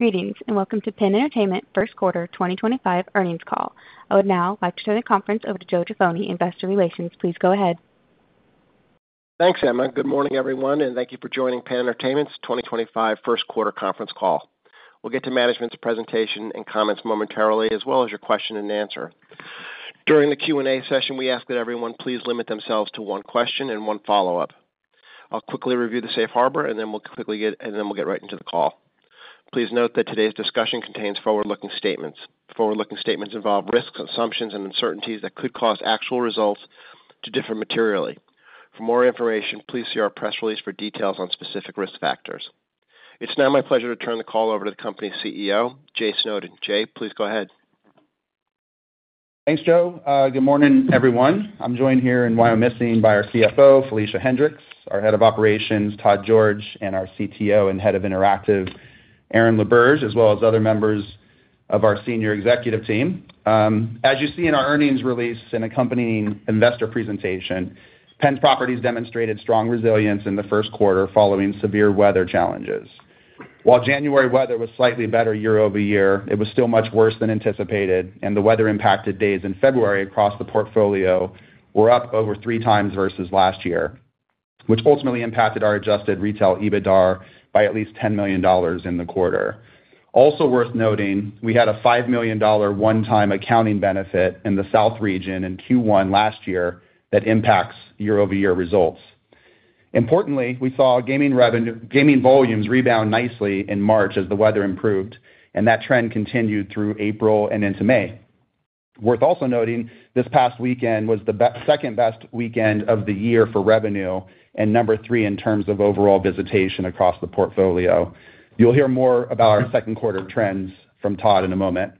Greetings and welcome to Penn Entertainment First Quarter 2025 earnings call. I would now like to turn the conference over to Joe Jaffoni, Investor Relations. Please go ahead. Thanks, Emma. Good morning, everyone, and thank you for joining Penn Entertainment's 2025 First Quarter conference call. We'll get to management's presentation and comments momentarily, as well as your question and answer. During the Q&A session, we ask that everyone please limit themselves to one question and one follow-up. I'll quickly review the safe harbor, and then we'll get right into the call. Please note that today's discussion contains forward-looking statements. Forward-looking statements involve risks, assumptions, and uncertainties that could cause actual results to differ materially. For more information, please see our press release for details on specific risk factors. It's now my pleasure to turn the call over to the company's CEO, Jay Snowden. Jay, please go ahead. Thanks, Joe. Good morning, everyone. I'm joined here in Wyomissing by our CFO, Felicia Hendrix, our Head of Operations, Todd George, and our CTO and Head of Interactive, Aaron LaBerge, as well as other members of our senior executive team. As you see in our earnings release and accompanying investor presentation, Penn Properties demonstrated strong resilience in the first quarter following severe weather challenges. While January weather was slightly better year over year, it was still much worse than anticipated, and the weather-impacted days in February across the portfolio were up over three times versus last year, which ultimately impacted our adjusted retail EBITDA by at least $10 million in the quarter. Also worth noting, we had a $5 million one-time accounting benefit in the South region in Q1 last year that impacts year-over-year results. Importantly, we saw gaming revenue, gaming volumes rebound nicely in March as the weather improved, and that trend continued through April and into May. Worth also noting, this past weekend was the second-best weekend of the year for revenue and number three in terms of overall visitation across the portfolio. You'll hear more about our second quarter trends from Todd in a moment.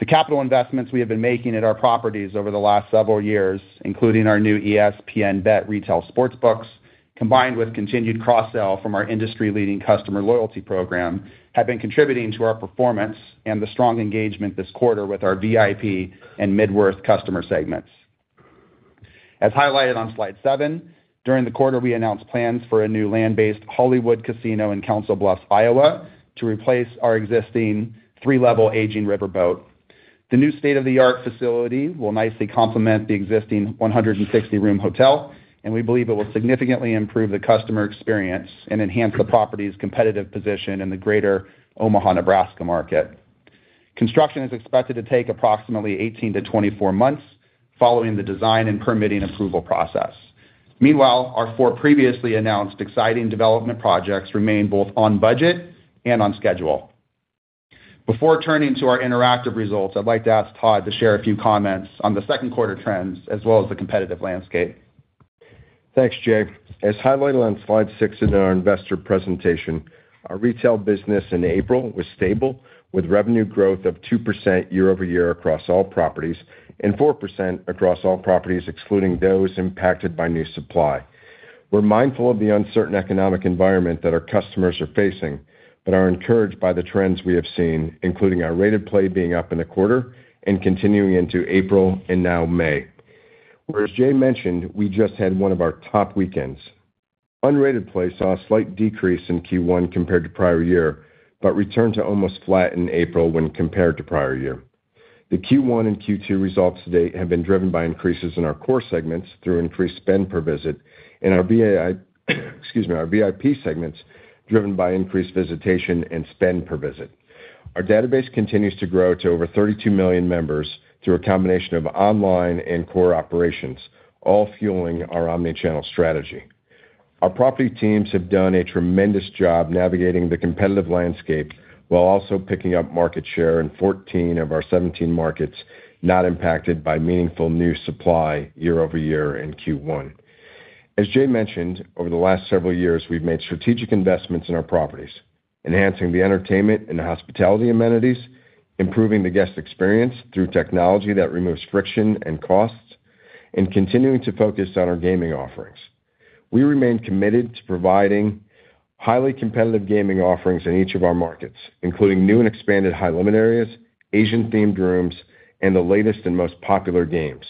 The capital investments we have been making at our properties over the last several years, including our new ESPN Bet retail sports books, combined with continued cross-sell from our industry-leading customer loyalty program, have been contributing to our performance and the strong engagement this quarter with our VIP and mid-worth customer segments. As highlighted on slide seven, during the quarter, we announced plans for a new land-based Hollywood Casino in Council Bluffs, Iowa, to replace our existing three-level aging riverboat. The new state-of-the-art facility will nicely complement the existing 160-room hotel, and we believe it will significantly improve the customer experience and enhance the property's competitive position in the greater Omaha, Nebraska market. Construction is expected to take approximately 18-24 months following the design and permitting approval process. Meanwhile, our four previously announced exciting development projects remain both on budget and on schedule. Before turning to our interactive results, I'd like to ask Todd to share a few comments on the second quarter trends as well as the competitive landscape. Thanks, Jay. As highlighted on slide six in our investor presentation, our retail business in April was stable, with revenue growth of 2% year over year across all properties and 4% across all properties excluding those impacted by new supply. We're mindful of the uncertain economic environment that our customers are facing but are encouraged by the trends we have seen, including our rated play being up in the quarter and continuing into April and now May. Whereas Jay mentioned, we just had one of our top weekends. Unrated play saw a slight decrease in Q1 compared to prior year but returned to almost flat in April when compared to prior year. The Q1 and Q2 results today have been driven by increases in our core segments through increased spend per visit and our VIP—excuse me—our VIP segments driven by increased visitation and spend per visit. Our database continues to grow to over 32 million members through a combination of online and core operations, all fueling our omnichannel strategy. Our property teams have done a tremendous job navigating the competitive landscape while also picking up market share in 14 of our 17 markets not impacted by meaningful new supply year over year in Q1. As Jay mentioned, over the last several years, we've made strategic investments in our properties, enhancing the entertainment and hospitality amenities, improving the guest experience through technology that removes friction and costs, and continuing to focus on our gaming offerings. We remain committed to providing highly competitive gaming offerings in each of our markets, including new and expanded high-limit areas, Asian-themed rooms, and the latest and most popular games.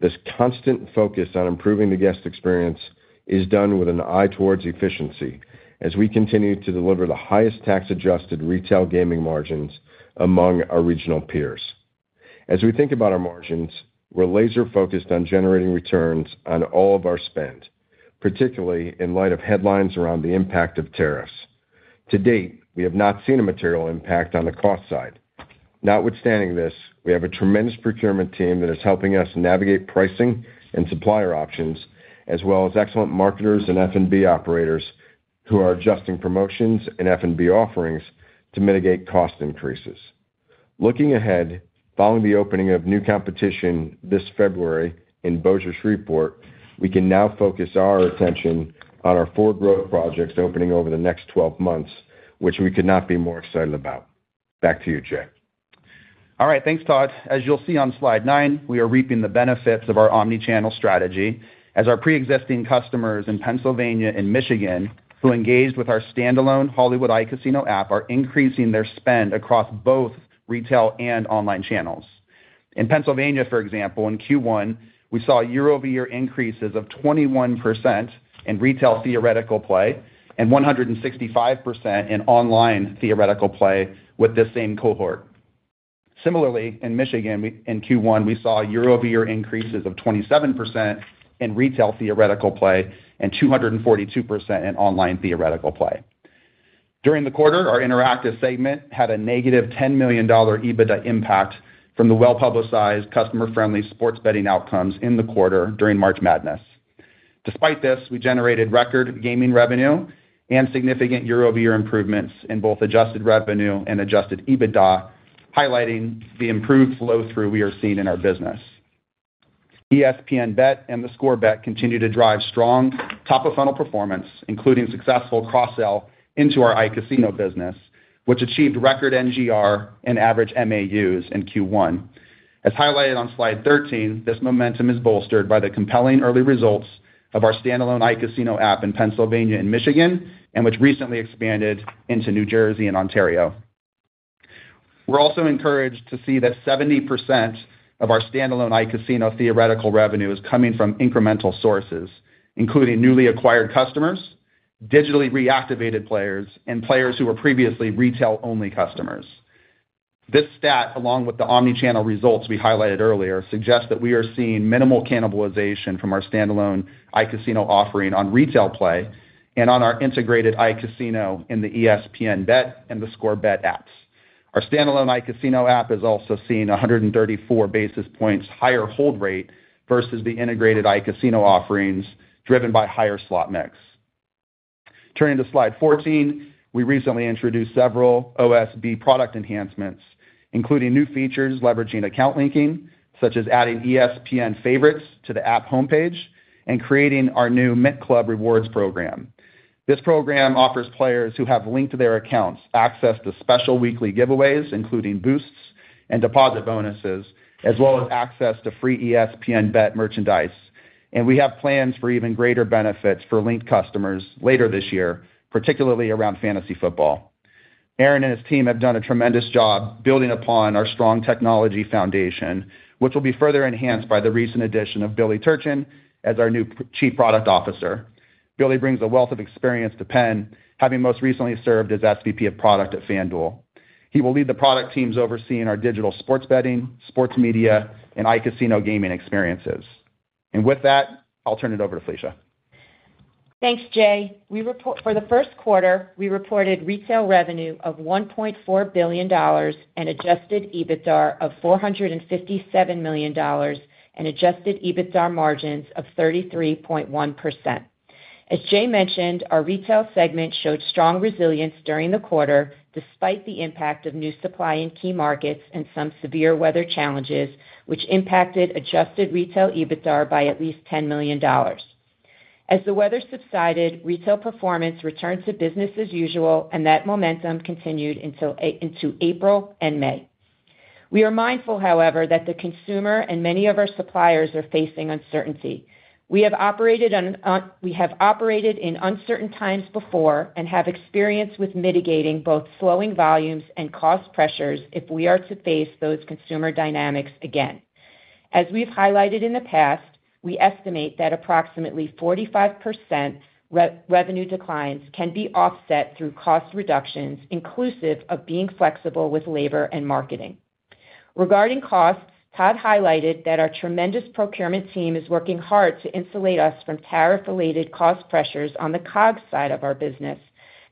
This constant focus on improving the guest experience is done with an eye towards efficiency as we continue to deliver the highest tax-adjusted retail gaming margins among our regional peers. As we think about our margins, we're laser-focused on generating returns on all of our spend, particularly in light of headlines around the impact of tariffs. To date, we have not seen a material impact on the cost side. Notwithstanding this, we have a tremendous procurement team that is helping us navigate pricing and supplier options, as well as excellent marketers and F&B operators who are adjusting promotions and F&B offerings to mitigate cost increases. Looking ahead, following the opening of new competition this February in Bossier City and Shreveport, we can now focus our attention on our four growth projects opening over the next 12 months, which we could not be more excited about. Back to you, Jay. All right. Thanks, Todd. As you'll see on slide nine, we are reaping the benefits of our omnichannel strategy as our pre-existing customers in Pennsylvania and Michigan who engaged with our standalone Hollywood iCasino app are increasing their spend across both retail and online channels. In Pennsylvania, for example, in Q1, we saw year-over-year increases of 21% in retail theoretical play and 165% in online theoretical play with this same cohort. Similarly, in Michigan, in Q1, we saw year-over-year increases of 27% in retail theoretical play and 242% in online theoretical play. During the quarter, our interactive segment had a negative $10 million EBITDA impact from the well-publicized customer-friendly sports betting outcomes in the quarter during March Madness. Despite this, we generated record gaming revenue and significant year-over-year improvements in both adjusted revenue and adjusted EBITDA, highlighting the improved flow-through we are seeing in our business. ESPN Bet and theScore Bet continue to drive strong top-of-funnel performance, including successful cross-sell into our iCasino business, which achieved record NGR and average MAUs in Q1. As highlighted on slide 13, this momentum is bolstered by the compelling early results of our standalone iCasino app in Pennsylvania and Michigan, and which recently expanded into New Jersey and Ontario. We're also encouraged to see that 70% of our standalone iCasino theoretical revenue is coming from incremental sources, including newly acquired customers, digitally reactivated players, and players who were previously retail-only customers. This stat, along with the omnichannel results we highlighted earlier, suggests that we are seeing minimal cannibalization from our standalone iCasino offering on retail play and on our integrated iCasino in the ESPN Bet and theScore Bet apps. Our standalone iCasino app is also seeing a 134 basis points higher hold rate versus the integrated iCasino offerings driven by higher slot mix. Turning to slide 14, we recently introduced several OSB product enhancements, including new features leveraging account linking, such as adding ESPN favorites to the app homepage and creating our new Mint Club rewards program. This program offers players who have linked their accounts access to special weekly giveaways, including boosts and deposit bonuses, as well as access to free ESPN Bet merchandise. We have plans for even greater benefits for linked customers later this year, particularly around fantasy football. Aaron and his team have done a tremendous job building upon our strong technology foundation, which will be further enhanced by the recent addition of Billy Turchin as our new Chief Product Officer. Billy brings a wealth of experience to Penn, having most recently served as SVP of Product at FanDuel. He will lead the product teams overseeing our digital sports betting, sports media, and iCasino gaming experiences. With that, I'll turn it over to Felicia. Thanks, Jay. For the first quarter, we reported retail revenue of $1.4 billion and adjusted EBITDA of $457 million and adjusted EBITDA margins of 33.1%. As Jay mentioned, our retail segment showed strong resilience during the quarter despite the impact of new supply in key markets and some severe weather challenges, which impacted adjusted retail EBITDA by at least $10 million. As the weather subsided, retail performance returned to business as usual, and that momentum continued into April and May. We are mindful, however, that the consumer and many of our suppliers are facing uncertainty. We have operated in uncertain times before and have experience with mitigating both slowing volumes and cost pressures if we are to face those consumer dynamics again. As we've highlighted in the past, we estimate that approximately 45% revenue declines can be offset through cost reductions, inclusive of being flexible with labor and marketing. Regarding costs, Todd highlighted that our tremendous procurement team is working hard to insulate us from tariff-related cost pressures on the COGS side of our business.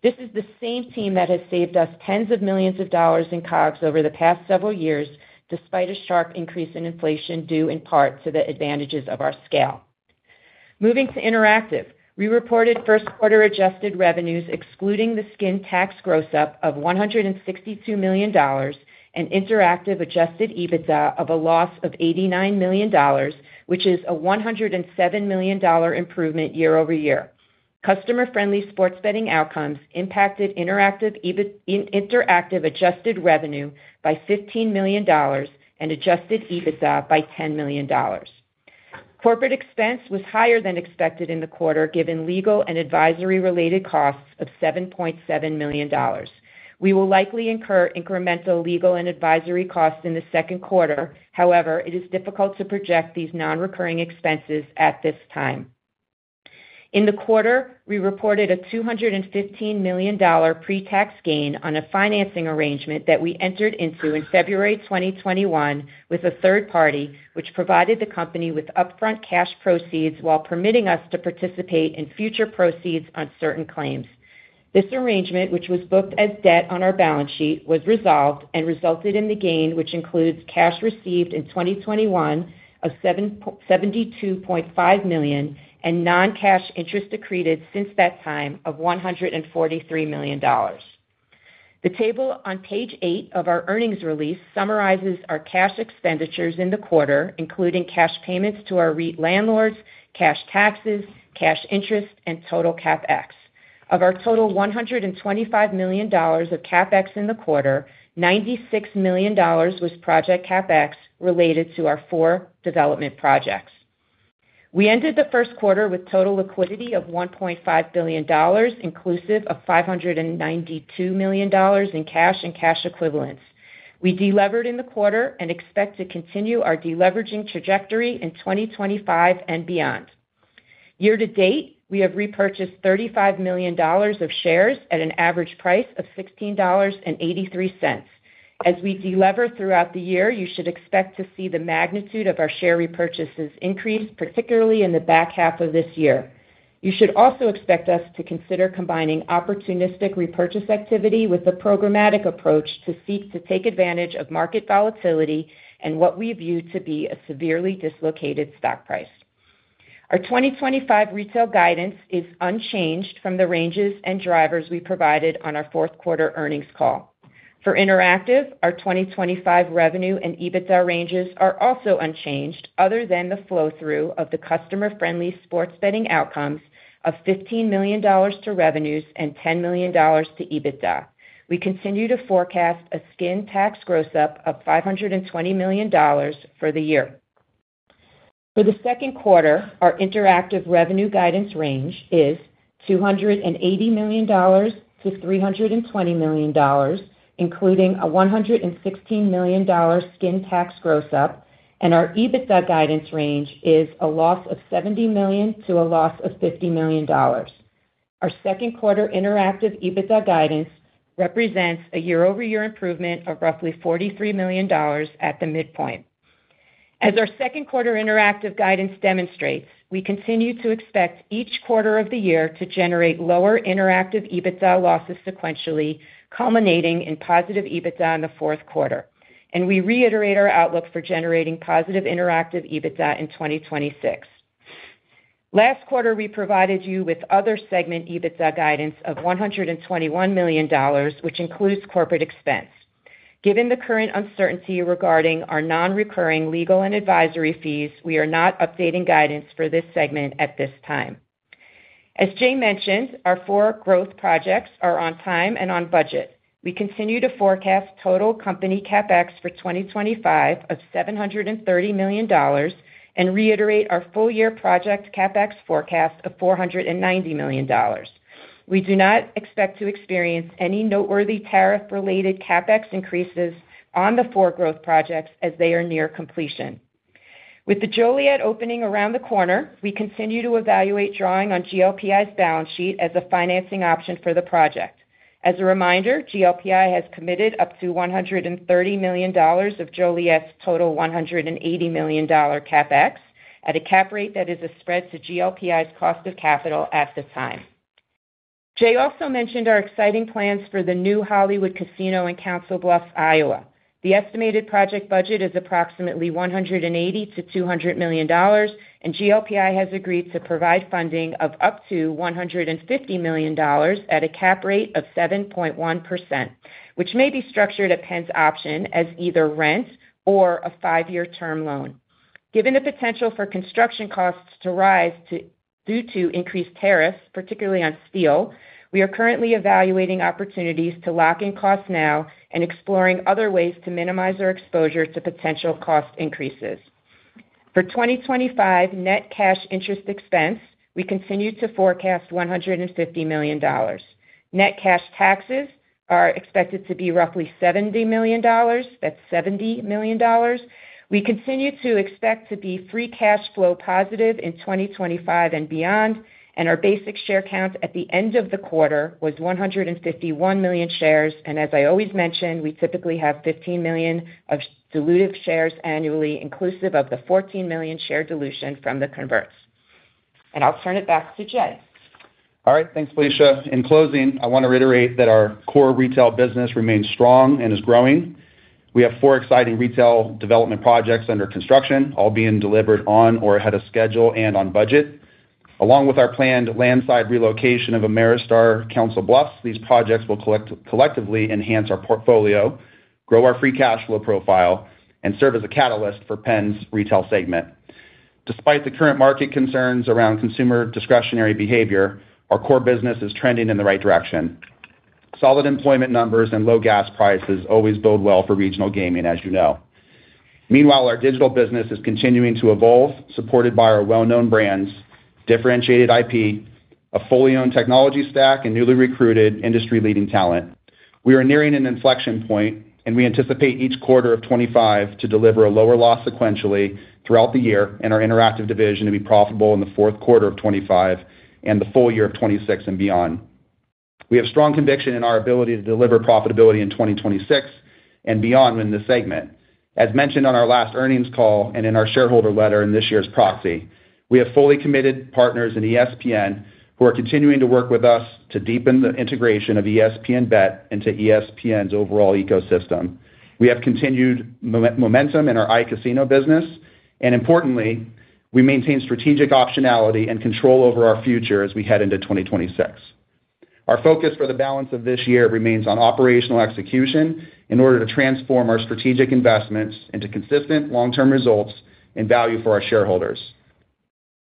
This is the same team that has saved us tens of millions of dollars in COGS over the past several years, despite a sharp increase in inflation due in part to the advantages of our scale. Moving to interactive, we reported first-quarter adjusted revenues excluding the skin tax gross-up of $162 million and interactive adjusted EBITDA of a loss of $89 million, which is a $107 million improvement year over year. Customer-friendly sports betting outcomes impacted interactive adjusted revenue by $15 million and adjusted EBITDA by $10 million. Corporate expense was higher than expected in the quarter, given legal and advisory-related costs of $7.7 million. We will likely incur incremental legal and advisory costs in the second quarter. However, it is difficult to project these non-recurring expenses at this time. In the quarter, we reported a $215 million pre-tax gain on a financing arrangement that we entered into in February 2021 with a third party, which provided the company with upfront cash proceeds while permitting us to participate in future proceeds on certain claims. This arrangement, which was booked as debt on our balance sheet, was resolved and resulted in the gain, which includes cash received in 2021 of $72.5 million and non-cash interest accreted since that time of $143 million. The table on page eight of our earnings release summarizes our cash expenditures in the quarter, including cash payments to our landlords, cash taxes, cash interest, and total CapEx. Of our total $125 million of CapEx in the quarter, $96 million was project CapEx related to our four development projects. We ended the first quarter with total liquidity of $1.5 billion, inclusive of $592 million in cash and cash equivalents. We delevered in the quarter and expect to continue our deleveraging trajectory in 2025 and beyond. Year to date, we have repurchased $35 million of shares at an average price of $16.83. As we delever throughout the year, you should expect to see the magnitude of our share repurchases increase, particularly in the back half of this year. You should also expect us to consider combining opportunistic repurchase activity with a programmatic approach to seek to take advantage of market volatility and what we view to be a severely dislocated stock price. Our 2025 retail guidance is unchanged from the ranges and drivers we provided on our fourth-quarter earnings call. For interactive, our 2025 revenue and EBITDA ranges are also unchanged, other than the flow-through of the customer-friendly sports betting outcomes of $15 million to revenues and $10 million to EBITDA. We continue to forecast a skin tax gross-up of $520 million for the year. For the second quarter, our interactive revenue guidance range is $280 million-$320 million, including a $116 million skin tax gross-up, and our EBITDA guidance range is a loss of $70 million to a loss of $50 million. Our second-quarter interactive EBITDA guidance represents a year-over-year improvement of roughly $43 million at the midpoint. As our second-quarter interactive guidance demonstrates, we continue to expect each quarter of the year to generate lower interactive EBITDA losses sequentially, culminating in positive EBITDA in the fourth quarter. We reiterate our outlook for generating positive interactive EBITDA in 2026. Last quarter, we provided you with other segment EBITDA guidance of $121 million, which includes corporate expense. Given the current uncertainty regarding our non-recurring legal and advisory fees, we are not updating guidance for this segment at this time. As Jay mentioned, our four growth projects are on time and on budget. We continue to forecast total company CapEx for 2025 of $730 million and reiterate our full-year project CapEx forecast of $490 million. We do not expect to experience any noteworthy tariff-related CapEx increases on the four growth projects as they are near completion. With the Joliet opening around the corner, we continue to evaluate drawing on GLPI's balance sheet as a financing option for the project. As a reminder, GLPI has committed up to $130 million of Joliet's total $180 million CapEx at a cap rate that is a spread to GLPI's cost of capital at the time. Jay also mentioned our exciting plans for the new Hollywood Casino in Council Bluffs, Iowa. The estimated project budget is approximately $180 million-$200 million, and GLPI has agreed to provide funding of up to $150 million at a cap rate of 7.1%, which may be structured at Penn's option as either rent or a five-year term loan. Given the potential for construction costs to rise due to increased tariffs, particularly on steel, we are currently evaluating opportunities to lock in costs now and exploring other ways to minimize our exposure to potential cost increases. For 2025 net cash interest expense, we continue to forecast $150 million. Net cash taxes are expected to be roughly $70 million. That's $70 million. We continue to expect to be free cash flow positive in 2025 and beyond, and our basic share count at the end of the quarter was 151 million shares. As I always mention, we typically have $15 million of dilutive shares annually, inclusive of the $14 million share dilution from the converts. I'll turn it back to Jay. All right. Thanks, Felicia. In closing, I want to reiterate that our core retail business remains strong and is growing. We have four exciting retail development projects under construction, all being delivered on or ahead of schedule and on budget. Along with our planned land-based relocation of Ameristar Council Bluffs, these projects will collectively enhance our portfolio, grow our free cash flow profile, and serve as a catalyst for Penn's retail segment. Despite the current market concerns around consumer discretionary behavior, our core business is trending in the right direction. Solid employment numbers and low gas prices always bode well for regional gaming, as you know. Meanwhile, our digital business is continuing to evolve, supported by our well-known brands, differentiated IP, a fully owned technology stack, and newly recruited industry-leading talent. We are nearing an inflection point, and we anticipate each quarter of 2025 to deliver a lower loss sequentially throughout the year and our interactive division to be profitable in the fourth quarter of 2025 and the full year of 2026 and beyond. We have strong conviction in our ability to deliver profitability in 2026 and beyond in this segment. As mentioned on our last earnings call and in our shareholder letter in this year's proxy, we have fully committed partners in ESPN who are continuing to work with us to deepen the integration of ESPN Bet into ESPN's overall ecosystem. We have continued momentum in our iCasino business, and importantly, we maintain strategic optionality and control over our future as we head into 2026. Our focus for the balance of this year remains on operational execution in order to transform our strategic investments into consistent long-term results and value for our shareholders.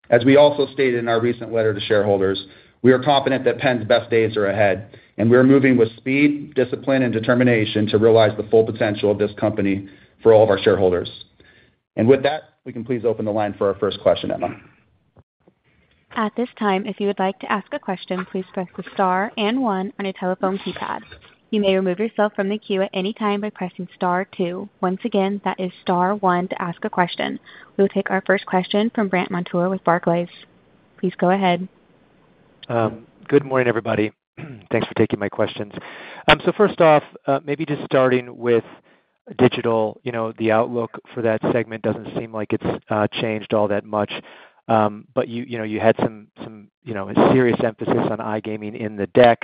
As we also stated in our recent letter to shareholders, we are confident that Penn's best days are ahead, and we are moving with speed, discipline, and determination to realize the full potential of this company for all of our shareholders. With that, we can please open the line for our first question, Emma. At this time, if you would like to ask a question, please press the star and one on your telephone keypad. You may remove yourself from the queue at any time by pressing star two. Once again, that is star one to ask a question. We will take our first question from Brandt Montour with Barclays. Please go ahead. Good morning, everybody. Thanks for taking my questions. First off, maybe just starting with digital, the outlook for that segment doesn't seem like it's changed all that much, but you had some serious emphasis on iGaming in the deck,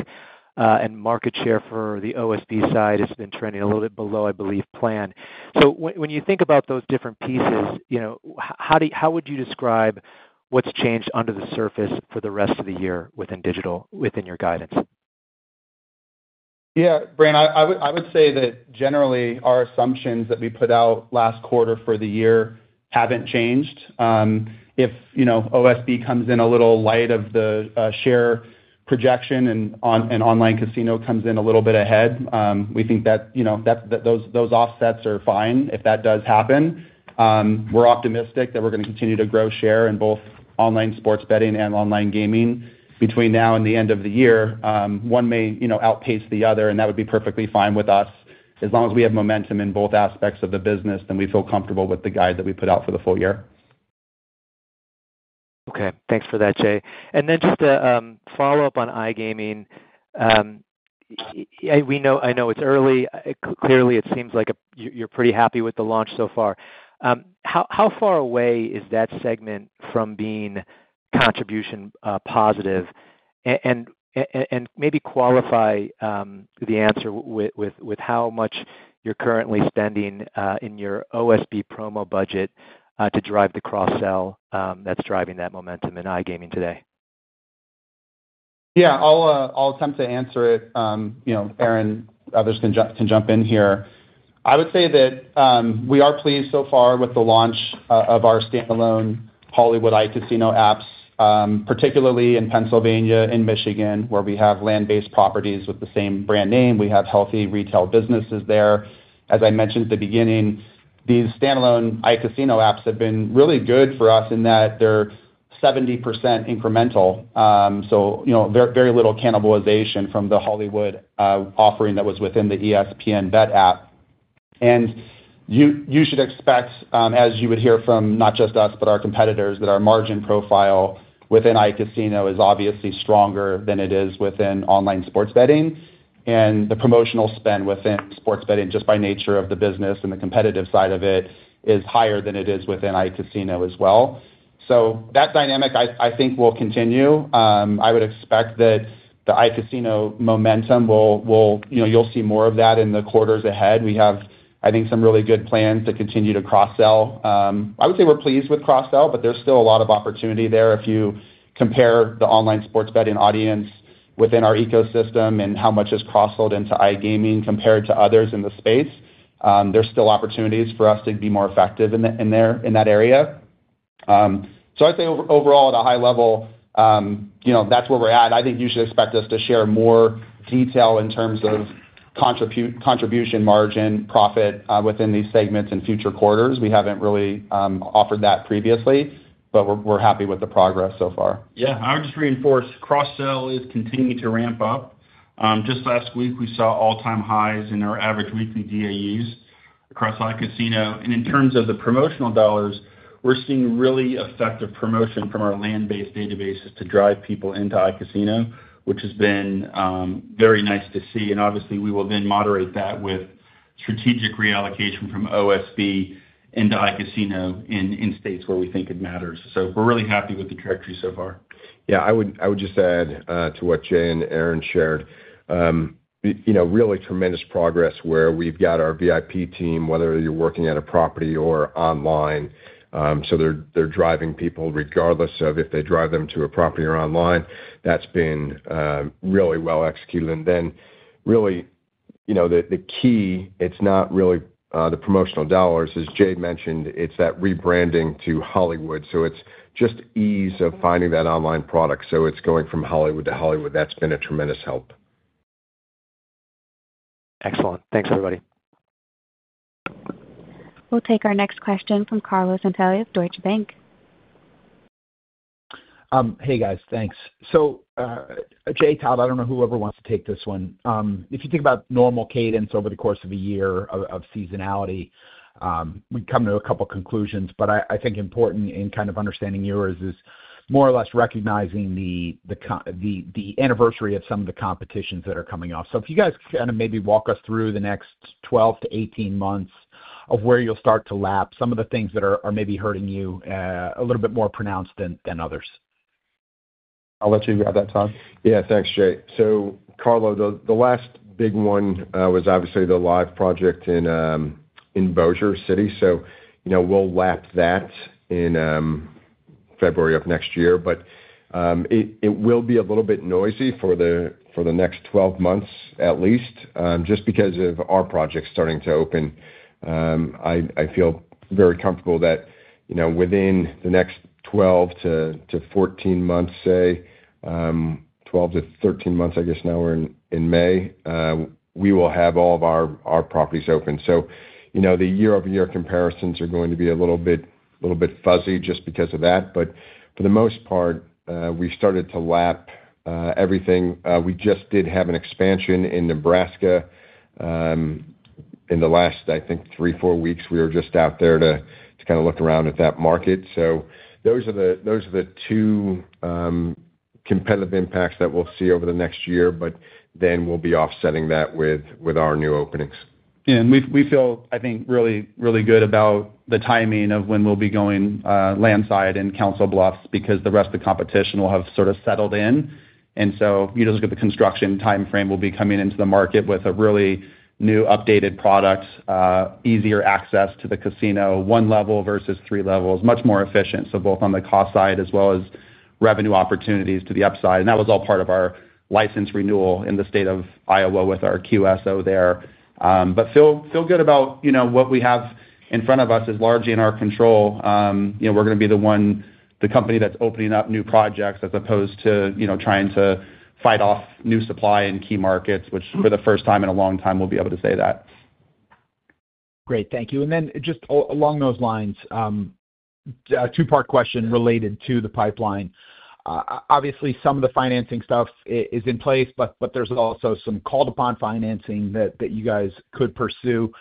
and market share for the OSB side has been trending a little bit below, I believe, planned. When you think about those different pieces, how would you describe what's changed under the surface for the rest of the year within digital within your guidance? Yeah, Brant, I would say that generally our assumptions that we put out last quarter for the year haven't changed. If OSB comes in a little light of the share projection and online casino comes in a little bit ahead, we think that those offsets are fine if that does happen. We're optimistic that we're going to continue to grow share in both online sports betting and online gaming between now and the end of the year. One may outpace the other, and that would be perfectly fine with us as long as we have momentum in both aspects of the business, and we feel comfortable with the guide that we put out for the full year. Okay. Thanks for that, Jay. Just to follow up on iGaming, I know it's early. Clearly, it seems like you're pretty happy with the launch so far. How far away is that segment from being contribution positive? Maybe qualify the answer with how much you're currently spending in your OSB promo budget to drive the cross-sell that's driving that momentum in iGaming today? Yeah, I'll attempt to answer it. Aaron, others can jump in here. I would say that we are pleased so far with the launch of our standalone Hollywood iCasino apps, particularly in Pennsylvania, in Michigan, where we have land-based properties with the same brand name. We have healthy retail businesses there. As I mentioned at the beginning, these standalone iCasino apps have been really good for us in that they're 70% incremental, so very little cannibalization from the Hollywood offering that was within the ESPN Bet app. You should expect, as you would hear from not just us, but our competitors, that our margin profile within iCasino is obviously stronger than it is within online sports betting. The promotional spend within sports betting, just by nature of the business and the competitive side of it, is higher than it is within iCasino as well. That dynamic, I think, will continue. I would expect that the iCasino momentum will—you'll see more of that in the quarters ahead. We have, I think, some really good plans to continue to cross-sell. I would say we're pleased with cross-sell, but there's still a lot of opportunity there. If you compare the online sports betting audience within our ecosystem and how much has cross-sold into iGaming compared to others in the space, there's still opportunities for us to be more effective in that area. I'd say overall, at a high level, that's where we're at. I think you should expect us to share more detail in terms of contribution margin, profit within these segments in future quarters. We haven't really offered that previously, but we're happy with the progress so far. Yeah. I would just reinforce cross-sell is continuing to ramp up. Just last week, we saw all-time highs in our average weekly DAUs across iCasino. In terms of the promotional dollars, we're seeing really effective promotion from our land-based databases to drive people into iCasino, which has been very nice to see. Obviously, we will then moderate that with strategic reallocation from OSB into iCasino in states where we think it matters. We're really happy with the trajectory so far. Yeah. I would just add to what Jay and Aaron shared. Really tremendous progress where we've got our VIP team, whether you're working at a property or online. They're driving people regardless of if they drive them to a property or online. That's been really well executed. The key—it's not really the promotional dollars, as Jay mentioned—it's that rebranding to Hollywood. It's just ease of finding that online product. It's going from Hollywood to Hollywood. That's been a tremendous help. Excellent. Thanks, everybody. We'll take our next question from Carlo Santarelli of Deutsche Bank. Hey, guys. Thanks. Jay, Todd, I do not know whoever wants to take this one. If you think about normal cadence over the course of a year of seasonality, we come to a couple of conclusions. I think important in kind of understanding yours is more or less recognizing the anniversary of some of the competitions that are coming off. If you guys kind of maybe walk us through the next 12 to 18 months of where you will start to lap some of the things that are maybe hurting you a little bit more pronounced than others. I'll let you grab that, Todd. Yeah. Thanks, Jay. Carlo, the last big one was obviously the live project in Bossier City. We'll lap that in February of next year. It will be a little bit noisy for the next 12 months at least, just because of our project starting to open. I feel very comfortable that within the next 12 to 14 months, say 12 to 13 months, I guess now we're in May, we will have all of our properties open. The year-over-year comparisons are going to be a little bit fuzzy just because of that. For the most part, we've started to lap everything. We just did have an expansion in Nebraska in the last, I think, three, four weeks. We were just out there to kind of look around at that market. Those are the two competitive impacts that we'll see over the next year, but then we'll be offsetting that with our new openings. Yeah. We feel, I think, really good about the timing of when we'll be going landside in Council Bluffs because the rest of the competition will have sort of settled in. You just look at the construction timeframe. We'll be coming into the market with a really new, updated product, easier access to the casino, one level versus three levels, much more efficient. Both on the cost side as well as revenue opportunities to the upside. That was all part of our license renewal in the state of Iowa with our QSO there. I feel good about what we have in front of us is largely in our control. We're going to be the one company that's opening up new projects as opposed to trying to fight off new supply in key markets, which for the first time in a long time, we'll be able to say that. Great. Thank you. Just along those lines, a two-part question related to the pipeline. Obviously, some of the financing stuff is in place, but there's also some call-upon financing that you guys could pursue.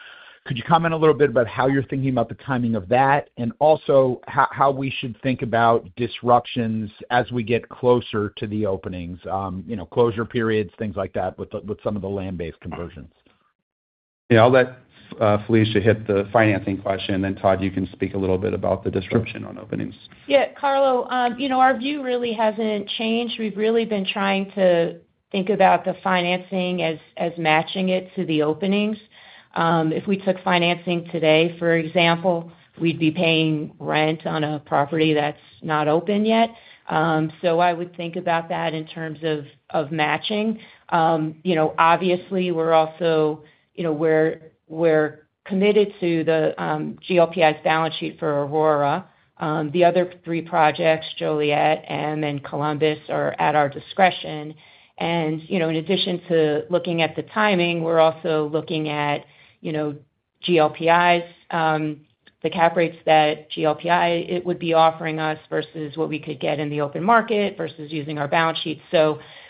Could you comment a little bit about how you're thinking about the timing of that and also how we should think about disruptions as we get closer to the openings, closure periods, things like that with some of the land-based conversions? Yeah. I'll let Felicia hit the financing question. Then, Todd, you can speak a little bit about the disruption on openings. Yeah. Carlo, our view really hasn't changed. We've really been trying to think about the financing as matching it to the openings. If we took financing today, for example, we'd be paying rent on a property that's not open yet. I would think about that in terms of matching. Obviously, we're also committed to GLPI's balance sheet for Aurora. The other three projects, Joliet, Em, and Columbus are at our discretion. In addition to looking at the timing, we're also looking at GLPI's, the cap rates that GLPI would be offering us versus what we could get in the open market versus using our balance sheet.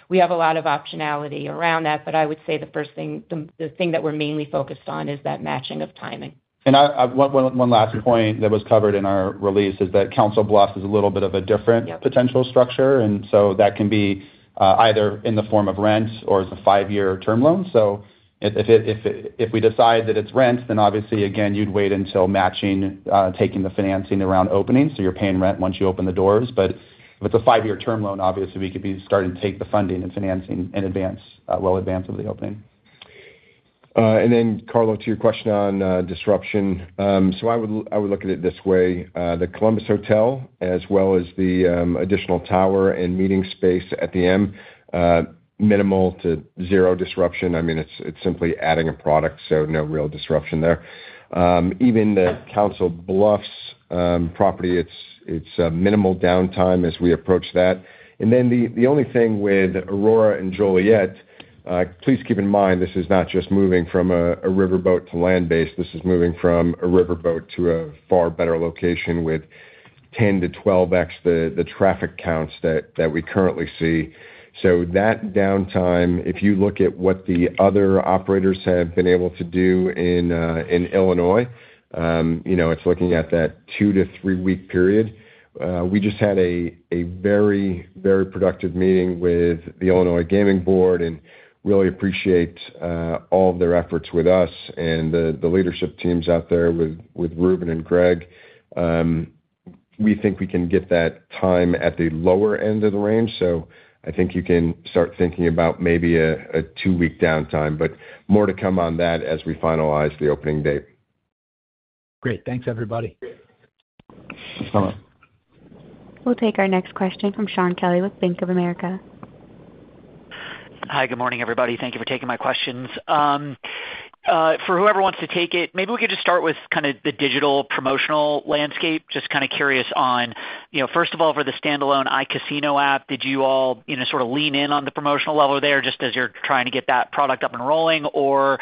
We have a lot of optionality around that. I would say the first thing, the thing that we're mainly focused on is that matching of timing. One last point that was covered in our release is that Council Bluffs is a little bit of a different potential structure. That can be either in the form of rent or as a five-year term loan. If we decide that it is rent, then obviously, again, you would wait until taking the financing around opening. You are paying rent once you open the doors. If it is a five-year term loan, obviously, we could be starting to take the funding and financing well in advance of the opening. Carlo, to your question on disruption, I would look at it this way. The Columbus Hotel, as well as the additional tower and meeting space at the Em, minimal to zero disruption. I mean, it's simply adding a product, so no real disruption there. Even the Council Bluffs property, it's minimal downtime as we approach that. The only thing with Aurora and Joliet, please keep in mind, this is not just moving from a riverboat to land-based. This is moving from a riverboat to a far better location with 10-12X the traffic counts that we currently see. That downtime, if you look at what the other operators have been able to do in Illinois, it's looking at that two to three-week period. We just had a very, very productive meeting with the Illinois Gaming Board and really appreciate all of their efforts with us and the leadership teams out there with Reuben and Greg. We think we can get that time at the lower end of the range. I think you can start thinking about maybe a two-week downtime, but more to come on that as we finalize the opening date. Great. Thanks, everybody. We'll take our next question from Shaun Kelly with Bank of America. Hi. Good morning, everybody. Thank you for taking my questions. For whoever wants to take it, maybe we could just start with kind of the digital promotional landscape, just kind of curious on, first of all, for the standalone iCasino app, did you all sort of lean in on the promotional level there just as you're trying to get that product up and rolling, or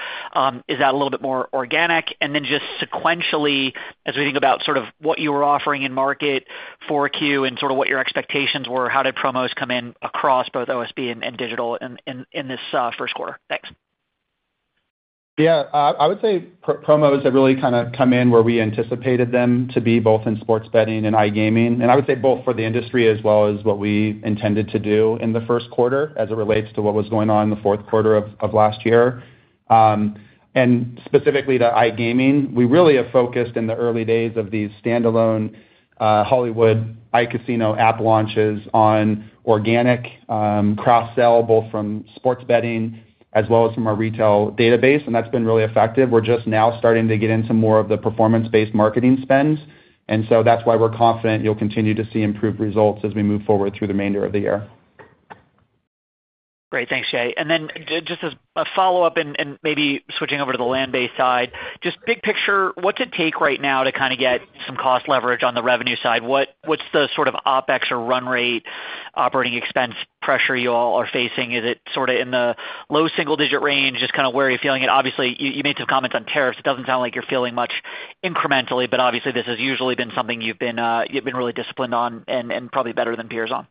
is that a little bit more organic? And then just sequentially, as we think about sort of what you were offering in market for Q and sort of what your expectations were, how did promos come in across both OSB and digital in this first quarter? Thanks. Yeah. I would say promos have really kind of come in where we anticipated them to be both in sports betting and iGaming. I would say both for the industry as well as what we intended to do in the first quarter as it relates to what was going on in the fourth quarter of last year. Specifically to iGaming, we really have focused in the early days of these standalone Hollywood iCasino app launches on organic cross-sell both from sports betting as well as from our retail database. That has been really effective. We're just now starting to get into more of the performance-based marketing spends. That is why we're confident you'll continue to see improved results as we move forward through the remainder of the year. Great. Thanks, Jay. Just as a follow-up and maybe switching over to the land-based side, just big picture, what's it take right now to kind of get some cost leverage on the revenue side? What's the sort of OpEx or run rate operating expense pressure you all are facing? Is it sort of in the low single-digit range, just kind of where you're feeling it? Obviously, you made some comments on tariffs. It doesn't sound like you're feeling much incrementally, but obviously, this has usually been something you've been really disciplined on and probably better than peers on.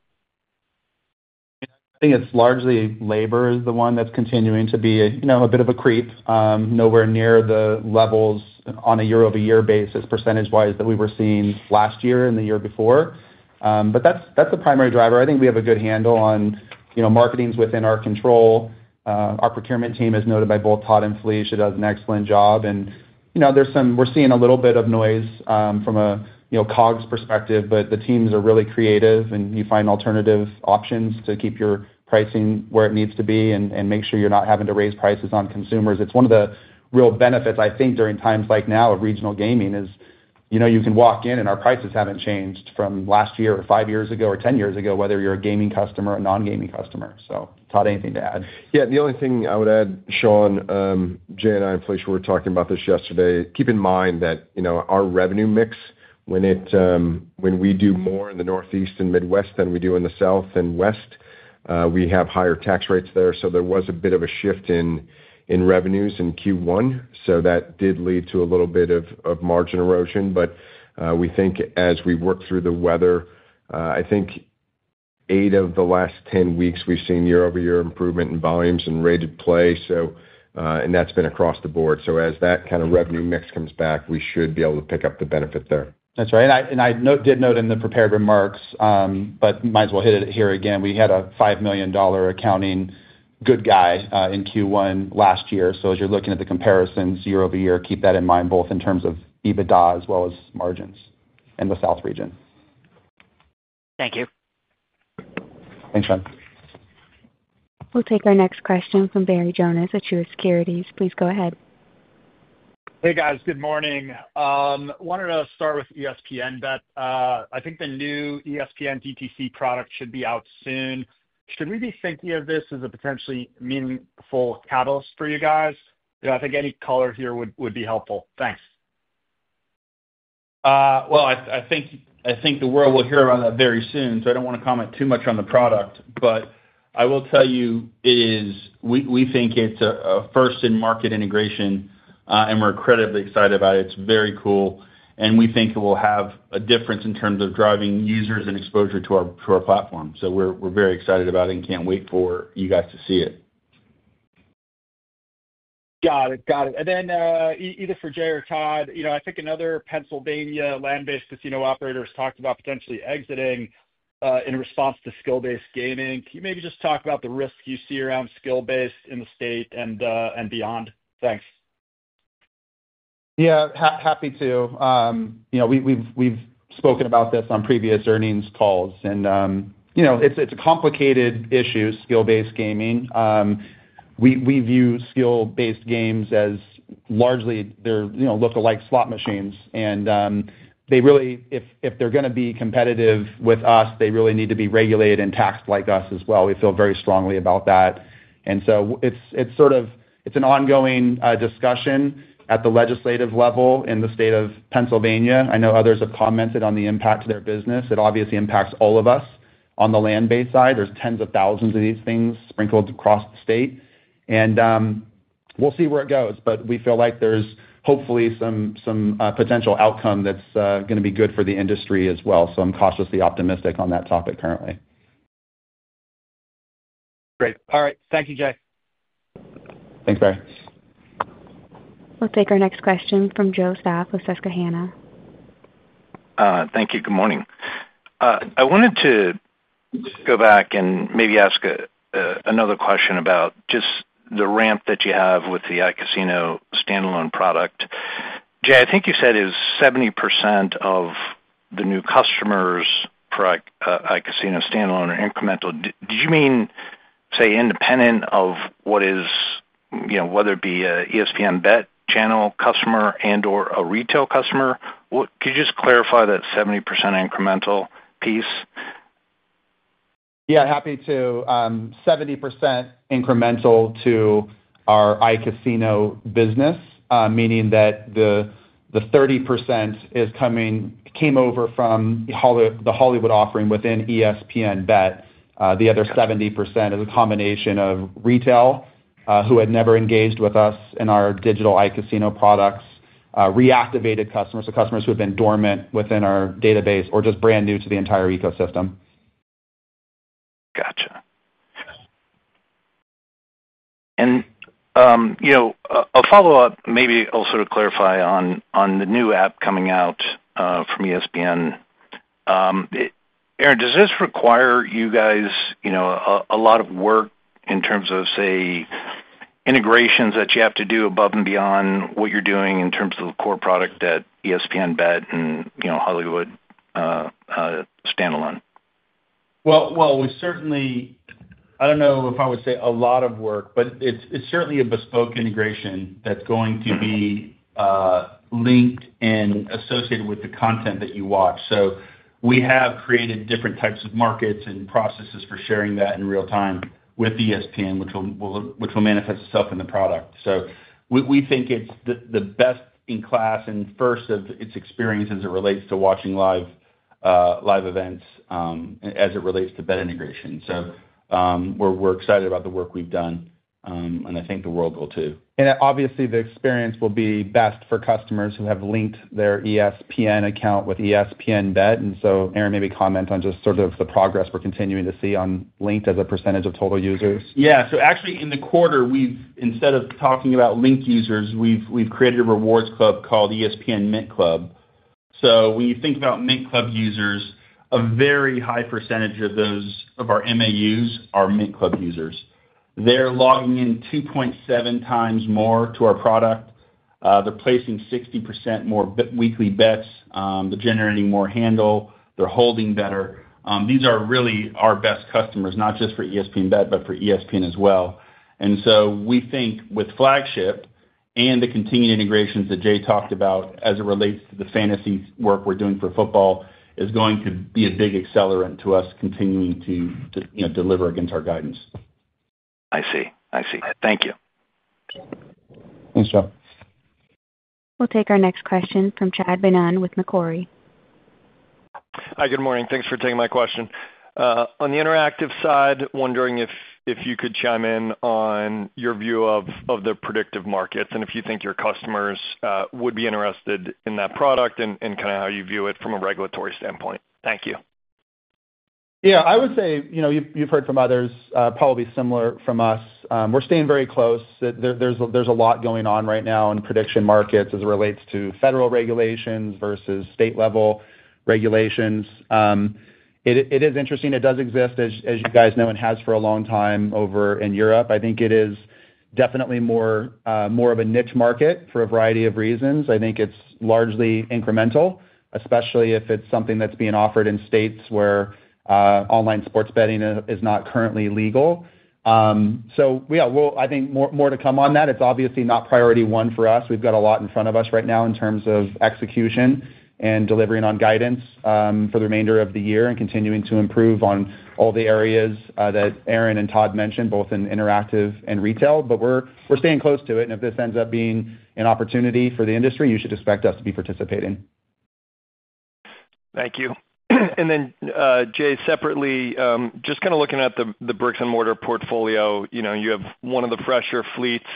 I think it's largely labor is the one that's continuing to be a bit of a creep, nowhere near the levels on a year-over-year basis % wise that we were seeing last year and the year before. That's the primary driver. I think we have a good handle on marketing's within our control. Our procurement team, as noted by both Todd and Felicia, does an excellent job. We're seeing a little bit of noise from a COGS perspective, but the teams are really creative, and you find alternative options to keep your pricing where it needs to be and make sure you're not having to raise prices on consumers. It's one of the real benefits, I think, during times like now of regional gaming is you can walk in, and our prices haven't changed from last year or five years ago or ten years ago, whether you're a gaming customer or a non-gaming customer. Todd, anything to add? Yeah. The only thing I would add, Joe, Jay and I and Felicia were talking about this yesterday. Keep in mind that our revenue mix, when we do more in the Northeast and Midwest than we do in the South and West, we have higher tax rates there. There was a bit of a shift in revenues in Q1. That did lead to a little bit of margin erosion. We think as we work through the weather, I think eight of the last ten weeks we've seen year-over-year improvement in volumes and rated play. That has been across the board. As that kind of revenue mix comes back, we should be able to pick up the benefit there. That's right. I did note in the prepared remarks, but might as well hit it here again. We had a $5 million accounting good guy in Q1 last year. As you're looking at the comparisons year over year, keep that in mind both in terms of EBITDA as well as margins in the south region. Thank you. Thanks, Shaun. We'll take our next question from Barry Jonas at Truist Securities. Please go ahead. Hey, guys. Good morning. Wanted to start with ESPN Bet. I think the new ESPN DTC product should be out soon. Should we be thinking of this as a potentially meaningful catalyst for you guys? I think any color here would be helpful. Thanks. I think the world will hear about that very soon. I don't want to comment too much on the product. I will tell you we think it's a first in market integration, and we're incredibly excited about it. It's very cool. We think it will have a difference in terms of driving users and exposure to our platform. We're very excited about it and can't wait for you guys to see it. Got it. Got it. Either for Jay or Todd, I think another Pennsylvania land-based casino operator has talked about potentially exiting in response to skill-based gaming. Can you maybe just talk about the risk you see around skill-based in the state and beyond? Thanks. Yeah. Happy to. We've spoken about this on previous earnings calls. It's a complicated issue, skill-based gaming. We view skill-based games as largely they're look-alike slot machines. If they're going to be competitive with us, they really need to be regulated and taxed like us as well. We feel very strongly about that. It's an ongoing discussion at the legislative level in the state of Pennsylvania. I know others have commented on the impact to their business. It obviously impacts all of us on the land-based side. There are tens of thousands of these things sprinkled across the state. We'll see where it goes. We feel like there's hopefully some potential outcome that's going to be good for the industry as well. I'm cautiously optimistic on that topic currently. Great. All right. Thank you, Jay. Thanks, Barry. We'll take our next question from Joe Stauff with Susquehanna. Thank you. Good morning. I wanted to go back and maybe ask another question about just the ramp that you have with the iCasino standalone product. Jay, I think you said it was 70% of the new customers for iCasino standalone or incremental. Did you mean, say, independent of whether it be an ESPN Bet channel customer and/or a retail customer? Could you just clarify that 70% incremental piece? Yeah. Happy to. 70% incremental to our iCasino business, meaning that the 30% came over from the Hollywood offering within ESPN Bet. The other 70% is a combination of retail who had never engaged with us in our digital iCasino products, reactivated customers, so customers who have been dormant within our database or just brand new to the entire ecosystem. Gotcha. A follow-up, maybe also to clarify on the new app coming out from ESPN. Aaron, does this require you guys a lot of work in terms of, say, integrations that you have to do above and beyond what you're doing in terms of the core product at ESPN Bet and Hollywood standalone? I don't know if I would say a lot of work, but it's certainly a bespoke integration that's going to be linked and associated with the content that you watch. We have created different types of markets and processes for sharing that in real time with ESPN, which will manifest itself in the product. We think it's the best in class and first of its experience as it relates to watching live events as it relates to bet integration. We're excited about the work we've done. I think the world will too. Obviously, the experience will be best for customers who have linked their ESPN account with ESPN Bet. Aaron, maybe comment on just sort of the progress we're continuing to see on Linked as a percentage of total users. Yeah. Actually, in the quarter, instead of talking about linked users, we've created a rewards club called ESPN Mint Club. When you think about Mint Club users, a very high percentage of our MAUs are Mint Club users. They're logging in 2.7 times more to our product. They're placing 60% more weekly bets. They're generating more handle. They're holding better. These are really our best customers, not just for ESPN Bet, but for ESPN as well. We think with Flagship and the continued integrations that Jay talked about as it relates to the fantasy work we're doing for football, it is going to be a big accelerant to us continuing to deliver against our guidance. I see. I see. Thank you. Thanks, Joe. We'll take our next question from Chad Beynon with Macquarie. Hi. Good morning. Thanks for taking my question. On the interactive side, wondering if you could chime in on your view of the predictive markets and if you think your customers would be interested in that product and kind of how you view it from a regulatory standpoint. Thank you. Yeah. I would say you've heard from others, probably similar from us. We're staying very close. There's a lot going on right now in prediction markets as it relates to federal regulations versus state-level regulations. It is interesting. It does exist, as you guys know, and has for a long time over in Europe. I think it is definitely more of a niche market for a variety of reasons. I think it's largely incremental, especially if it's something that's being offered in states where online sports betting is not currently legal. Yeah, I think more to come on that. It's obviously not priority one for us. We've got a lot in front of us right now in terms of execution and delivering on guidance for the remainder of the year and continuing to improve on all the areas that Aaron and Todd mentioned, both in interactive and retail. We're staying close to it. If this ends up being an opportunity for the industry, you should expect us to be participating. Thank you. Jay, separately, just kind of looking at the bricks and mortar portfolio, you have one of the fresher fleets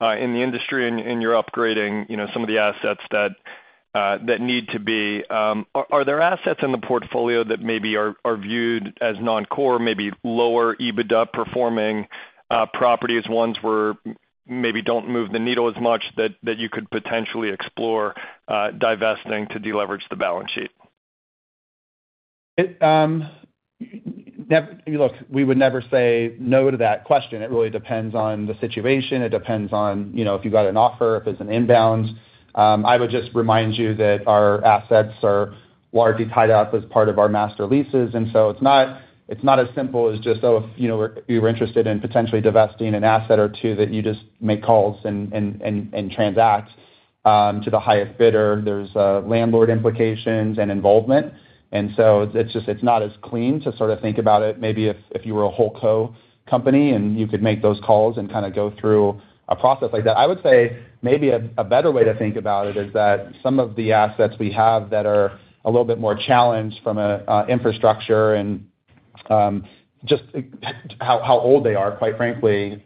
in the industry, and you're upgrading some of the assets that need to be. Are there assets in the portfolio that maybe are viewed as non-core, maybe lower EBITDA performing properties, ones where maybe do not move the needle as much that you could potentially explore divesting to deleverage the balance sheet? Look, we would never say no to that question. It really depends on the situation. It depends on if you got an offer, if it's an inbound. I would just remind you that our assets are largely tied up as part of our master leases. It is not as simple as just, "Oh, if you were interested in potentially divesting an asset or two that you just make calls and transact to the highest bidder." There are landlord implications and involvement. It is not as clean to sort of think about it maybe if you were a whole co-company and you could make those calls and kind of go through a process like that. I would say maybe a better way to think about it is that some of the assets we have that are a little bit more challenged from an infrastructure and just how old they are, quite frankly.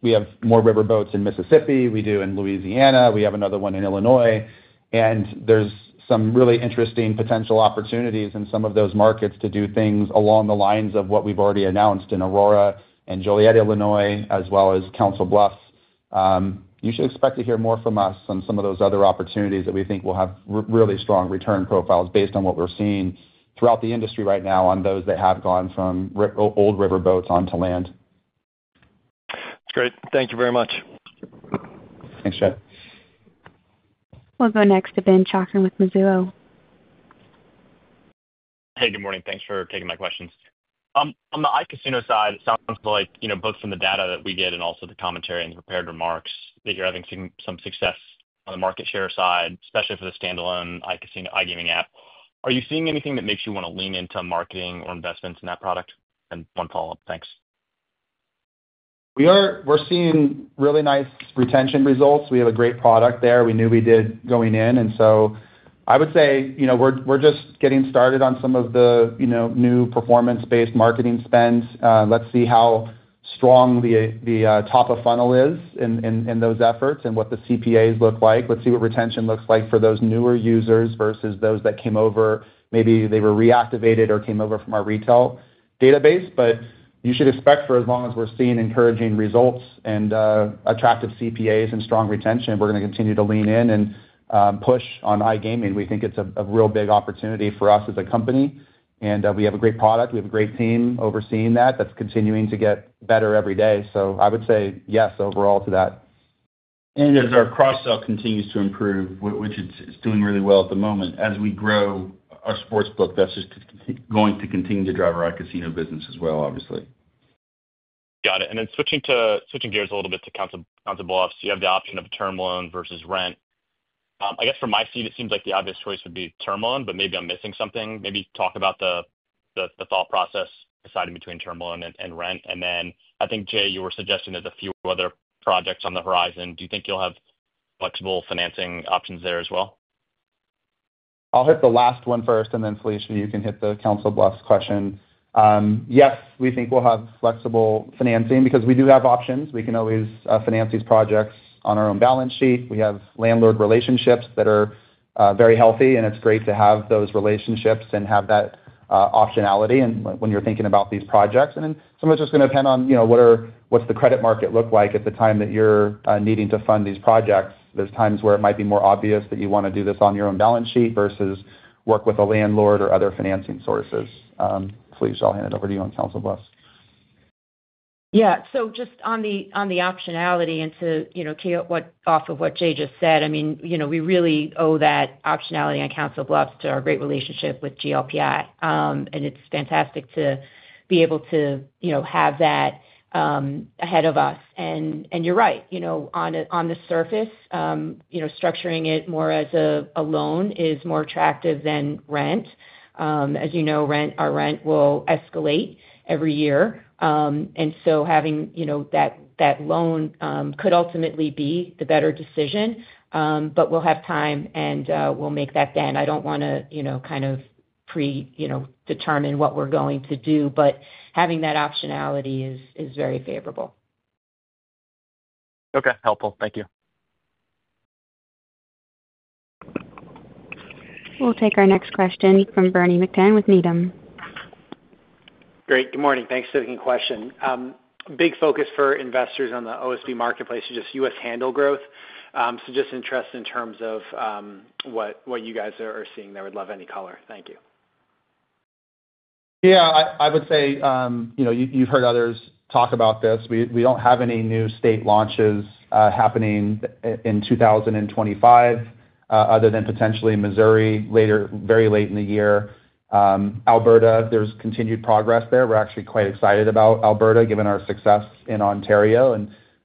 We have more river boats in Mississippi. We do in Louisiana. We have another one in Illinois. There are some really interesting potential opportunities in some of those markets to do things along the lines of what we've already announced in Aurora and Joliet, Illinois, as well as Council Bluffs. You should expect to hear more from us on some of those other opportunities that we think will have really strong return profiles based on what we're seeing throughout the industry right now on those that have gone from old river boats onto land. That's great. Thank you very much. Thanks, Chad. We'll go next to Ben Chaiken with Mizuho. Hey, good morning. Thanks for taking my questions. On the iCasino side, it sounds like both from the data that we get and also the commentary and the prepared remarks that you're having some success on the market share side, especially for the standalone iGaming app. Are you seeing anything that makes you want to lean into marketing or investments in that product? One follow-up. Thanks. We're seeing really nice retention results. We have a great product there. We knew we did going in. I would say we're just getting started on some of the new performance-based marketing spends. Let's see how strong the top-of-funnel is in those efforts and what the CPAs look like. Let's see what retention looks like for those newer users versus those that came over. Maybe they were reactivated or came over from our retail database. You should expect for as long as we're seeing encouraging results and attractive CPAs and strong retention, we're going to continue to lean in and push on iGaming. We think it's a real big opportunity for us as a company. We have a great product. We have a great team overseeing that that's continuing to get better every day. I would say yes overall to that. As our cross-sell continues to improve, which it's doing really well at the moment, as we grow our sports book, that's just going to continue to drive our iCasino business as well, obviously. Got it. Switching gears a little bit to Council Bluffs, you have the option of a term loan versus rent. I guess from my seat, it seems like the obvious choice would be term loan, but maybe I'm missing something. Maybe talk about the thought process deciding between term loan and rent. I think, Jay, you were suggesting there's a few other projects on the horizon. Do you think you'll have flexible financing options there as well? I'll hit the last one first, and then Felicia, you can hit the Council Bluffs question. Yes, we think we'll have flexible financing because we do have options. We can always finance these projects on our own balance sheet. We have landlord relationships that are very healthy, and it's great to have those relationships and have that optionality when you're thinking about these projects. Some of it's just going to depend on what's the credit market look like at the time that you're needing to fund these projects. There's times where it might be more obvious that you want to do this on your own balance sheet versus work with a landlord or other financing sources. Felicia, I'll hand it over to you on Council Bluffs. Yeah. Just on the optionality and to key off of what Jay just said, I mean, we really owe that optionality on Council Bluffs to our great relationship with GLPI. It is fantastic to be able to have that ahead of us. You are right. On the surface, structuring it more as a loan is more attractive than rent. As you know, our rent will escalate every year. Having that loan could ultimately be the better decision, but we will have time and we will make that then. I do not want to kind of predetermine what we are going to do, but having that optionality is very favorable. Okay. Helpful. Thank you. We'll take our next question from Bernie McTernan with Needham. Great. Good morning. Thanks for taking the question. Big focus for investors on the OSB marketplace is just US handle growth. So just interest in terms of what you guys are seeing there. Would love any color. Thank you. Yeah. I would say you've heard others talk about this. We don't have any new state launches happening in 2025 other than potentially Missouri very late in the year. Alberta, there's continued progress there. We're actually quite excited about Alberta given our success in Ontario.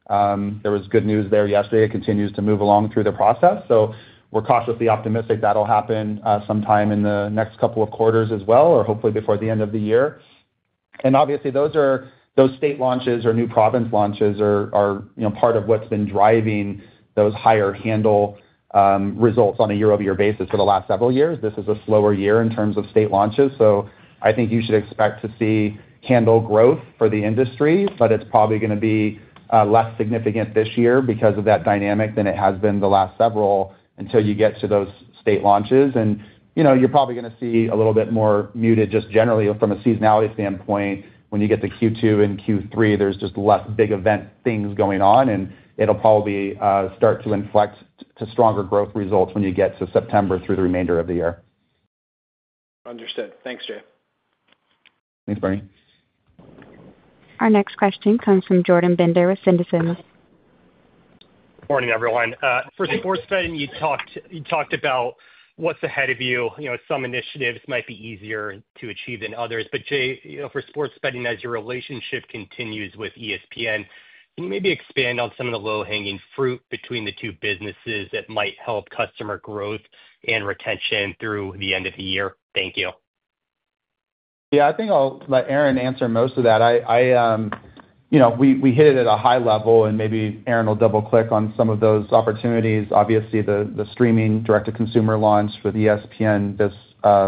There was good news there yesterday. It continues to move along through the process. We are cautiously optimistic that'll happen sometime in the next couple of quarters as well, or hopefully before the end of the year. Obviously, those state launches or new province launches are part of what's been driving those higher handle results on a year-over-year basis for the last several years. This is a slower year in terms of state launches. I think you should expect to see handle growth for the industry, but it's probably going to be less significant this year because of that dynamic than it has been the last several until you get to those state launches. You're probably going to see a little bit more muted just generally from a seasonality standpoint. When you get to Q2 and Q3, there's just less big event things going on, and it'll probably start to inflect to stronger growth results when you get to September through the remainder of the year. Understood. Thanks, Jay. Thanks, Bernie. Our next question comes from Jordan Bender with Citizens. Good morning, everyone. For sports betting, you talked about what's ahead of you. Some initiatives might be easier to achieve than others. Jay, for sports betting, as your relationship continues with ESPN, can you maybe expand on some of the low-hanging fruit between the two businesses that might help customer growth and retention through the end of the year? Thank you. Yeah. I think I'll let Aaron answer most of that. We hit it at a high level, and maybe Aaron will double-click on some of those opportunities. Obviously, the streaming direct-to-consumer launch for ESPN this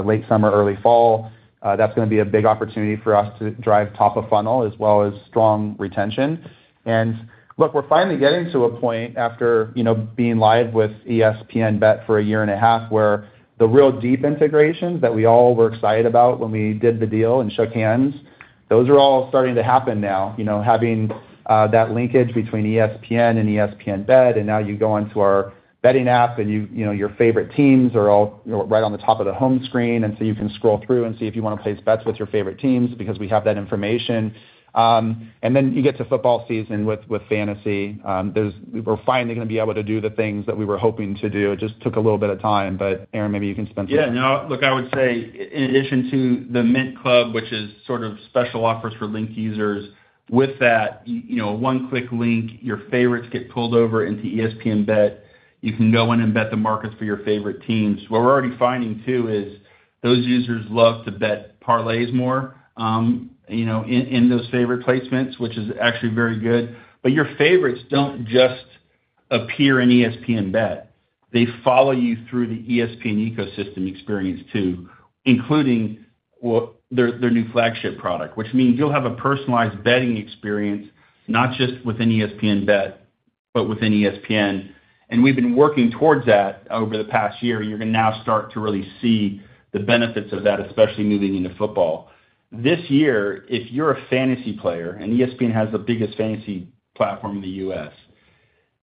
late summer, early fall, that's going to be a big opportunity for us to drive top of funnel as well as strong retention. Look, we're finally getting to a point after being live with ESPN Bet for a 1.5 year where the real deep integrations that we all were excited about when we did the deal and shook hands, those are all starting to happen now. Having that linkage between ESPN and ESPN Bet, and now you go onto our betting app and your favorite teams are all right on the top of the home screen. You can scroll through and see if you want to place bets with your favorite teams because we have that information. You get to football season with fantasy. We're finally going to be able to do the things that we were hoping to do. It just took a little bit of time, but Aaron, maybe you can spend some time. Yeah. No, look, I would say in addition to the Mint Club, which is sort of special offers for linked users, with that one-click link, your favorites get pulled over into ESPN Bet. You can go in and bet the markets for your favorite teams. What we're already finding too is those users love to bet parlays more in those favorite placements, which is actually very good. Your favorites do not just appear in ESPN Bet. They follow you through the ESPN ecosystem experience too, including their new flagship product, which means you'll have a personalized betting experience not just within ESPN Bet, but within ESPN. We have been working towards that over the past year, and you're going to now start to really see the benefits of that, especially moving into football. This year, if you're a fantasy player, and ESPN has the biggest fantasy platform in the US,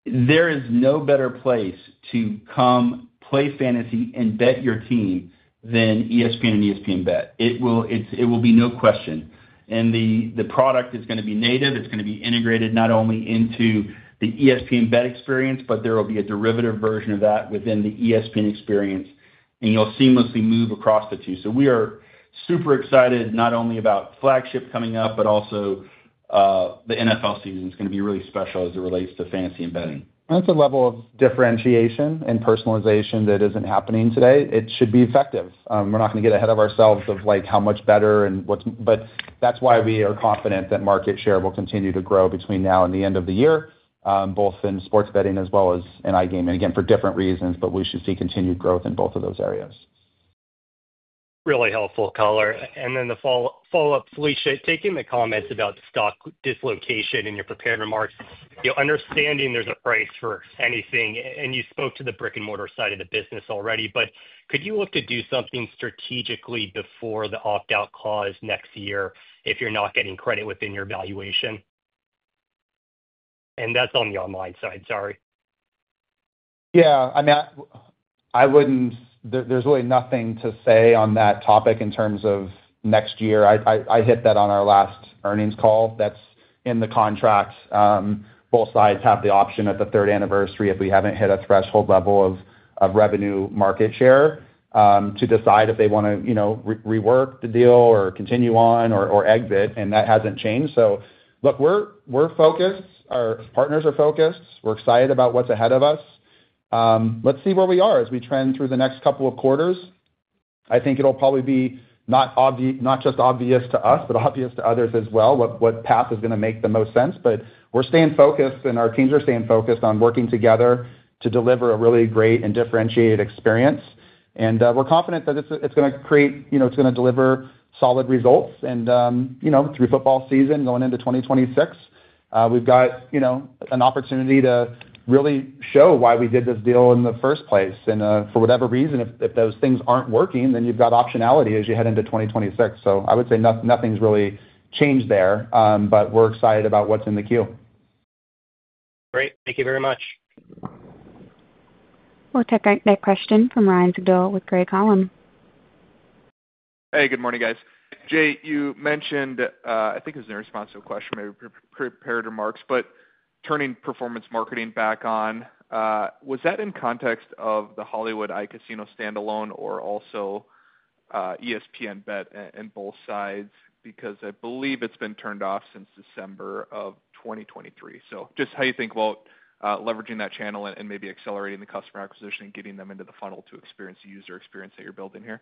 there is no better place to come play fantasy and bet your team than ESPN and ESPN Bet. It will be no question. The product is going to be native. It's going to be integrated not only into the ESPN Bet experience, but there will be a derivative version of that within the ESPN experience, and you'll seamlessly move across the two. We are super excited not only about flagship coming up, but also the NFL season is going to be really special as it relates to fantasy and betting. That's a level of differentiation and personalization that isn't happening today. It should be effective. We're not going to get ahead of ourselves of how much better and what's, but that's why we are confident that market share will continue to grow between now and the end of the year, both in sports betting as well as in iGaming. Again, for different reasons, but we should see continued growth in both of those areas. Really helpful, Coller. Then the follow-up, Felicia, taking the comments about stock dislocation in your prepared remarks, understanding there's a price for anything. You spoke to the brick-and-mortar side of the business already, but could you look to do something strategically before the opt-out clause next year if you're not getting credit within your valuation? That's on the online side, sorry. Yeah. I mean, there's really nothing to say on that topic in terms of next year. I hit that on our last earnings call. That's in the contracts. Both sides have the option at the third anniversary if we haven't hit a threshold level of revenue market share to decide if they want to rework the deal or continue on or exit. That hasn't changed. Look, we're focused. Our partners are focused. We're excited about what's ahead of us. Let's see where we are as we trend through the next couple of quarters. I think it'll probably be not just obvious to us, but obvious to others as well, what path is going to make the most sense. We're staying focused, and our teams are staying focused on working together to deliver a really great and differentiated experience. We're confident that it's going to create, it's going to deliver solid results. Through football season going into 2026, we've got an opportunity to really show why we did this deal in the first place. For whatever reason, if those things aren't working, then you've got optionality as you head into 2026. I would say nothing's really changed there, but we're excited about what's in the queue. Great. Thank you very much. We'll take our next question from Ryan Sigdahl with Craig-Hallum. Hey, good morning, guys. Jay, you mentioned, I think it was in response to a question or maybe prepared remarks, but turning performance marketing back on, was that in context of the Hollywood iCasino standalone or also ESPN Bet in both sides? Because I believe it's been turned off since December of 2023. Just how you think about leveraging that channel and maybe accelerating the customer acquisition and getting them into the funnel to experience the user experience that you're building here?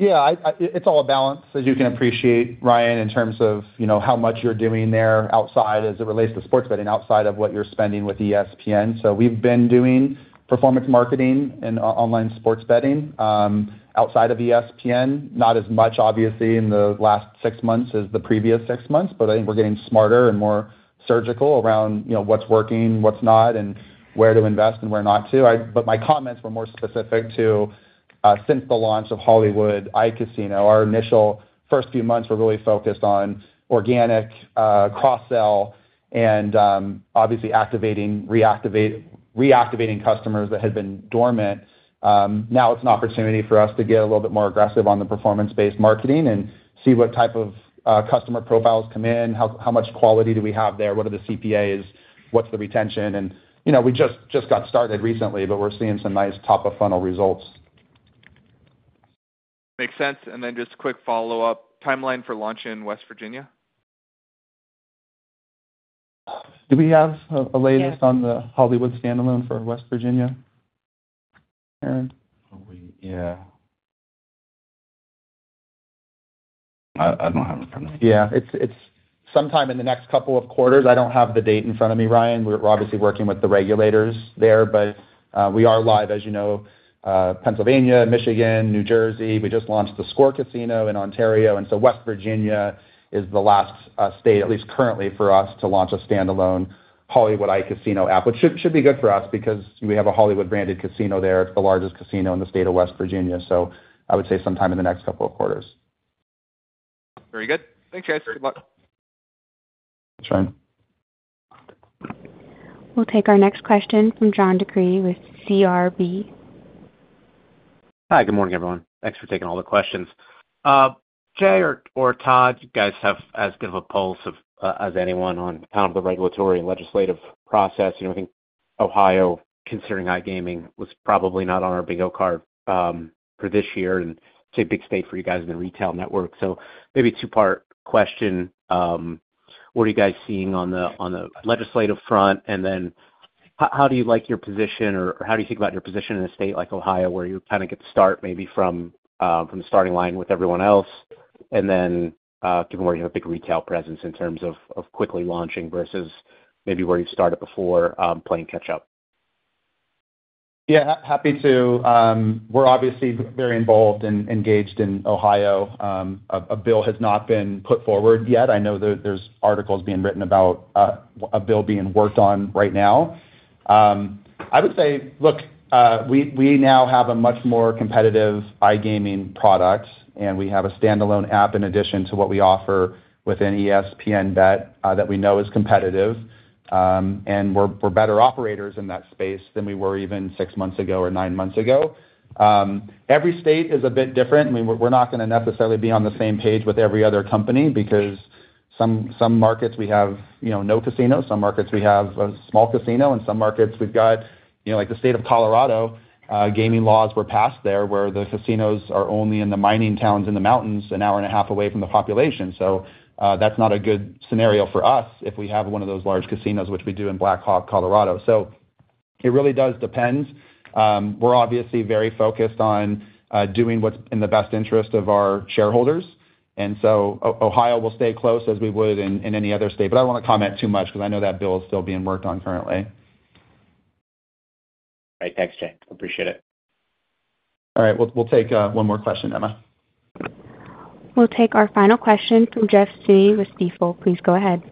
Yeah. It's all a balance, as you can appreciate, Ryan, in terms of how much you're doing there outside as it relates to sports betting outside of what you're spending with ESPN. So we've been doing performance marketing and online sports betting outside of ESPN, not as much, obviously, in the last six months as the previous six months, but I think we're getting smarter and more surgical around what's working, what's not, and where to invest and where not to. My comments were more specific to since the launch of Hollywood iCasino. Our initial first few months were really focused on organic cross-sell and obviously activating reactivating customers that had been dormant. Now it's an opportunity for us to get a little bit more aggressive on the performance-based marketing and see what type of customer profiles come in, how much quality do we have there, what are the CPAs, what's the retention. We just got started recently, but we're seeing some nice top-of-funnel results. Makes sense. And then just a quick follow-up timeline for launch in West Virginia? Do we have a latest on the Hollywood standalone for West Virginia? Aaron? Yeah. I don't have it in front of me. Yeah. It's sometime in the next couple of quarters. I don't have the date in front of me, Ryan. We're obviously working with the regulators there, but we are live, as you know, Pennsylvania, Michigan, New Jersey. We just launched theScore Casino in Ontario. West Virginia is the last state, at least currently for us, to launch a standalone Hollywood iCasino app, which should be good for us because we have a Hollywood-branded casino there. It's the largest casino in the state of West Virginia. I would say sometime in the next couple of quarters. Very good. Thanks, guys. Good luck. Thanks, Ryan. We'll take our next question from John DeCree with CBR. Hi, good morning, everyone. Thanks for taking all the questions. Jay or Todd, you guys have as good of a pulse as anyone on kind of the regulatory and legislative process. I think Ohio, considering iGaming, was probably not on our big O card for this year and a big state for you guys in the retail network. Maybe a two-part question. What are you guys seeing on the legislative front? How do you like your position, or how do you think about your position in a state like Ohio where you kind of get to start maybe from the starting line with everyone else? Given where you have a big retail presence in terms of quickly launching versus maybe where you've started before playing catch-up? Yeah. Happy to. We're obviously very involved and engaged in Ohio. A bill has not been put forward yet. I know there's articles being written about a bill being worked on right now. I would say, look, we now have a much more competitive iGaming product, and we have a standalone app in addition to what we offer within ESPN Bet that we know is competitive. And we're better operators in that space than we were even six months ago or nine months ago. Every state is a bit different. I mean, we're not going to necessarily be on the same page with every other company because some markets we have no casinos, some markets we have a small casino, and some markets we've got like the state of Colorado, gaming laws were passed there where the casinos are only in the mining towns in the mountains, an hour and a half away from the population. That's not a good scenario for us if we have one of those large casinos, which we do in Black Hawk, Colorado. It really does depend. We're obviously very focused on doing what's in the best interest of our shareholders. Ohio will stay close as we would in any other state. I don't want to comment too much because I know that bill is still being worked on currently. All right. Thanks, Jay. Appreciate it. All right. We'll take one more question, Emma. We'll take our final question from Jeff Zuo with Stifel. Please go ahead.